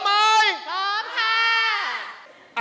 พร้อมค่ะ